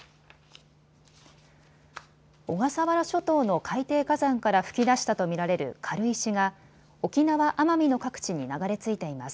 小笠原諸島の海底火山から噴き出したと見られる軽石が沖縄・奄美の各地に流れ着いています。